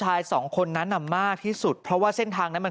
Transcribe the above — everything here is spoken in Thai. หลังจากพบศพผู้หญิงปริศนาตายตรงนี้ครับ